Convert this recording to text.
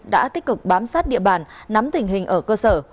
đã tích cực bám sát địa bàn nắm tình hình ở cơ sở